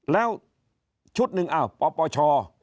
แล้วชุดหนึ่งอ้าวปปช